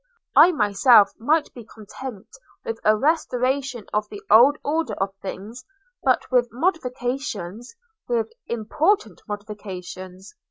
I myself might be content with a restoration of the old order of things; but with modifications—with important modifications.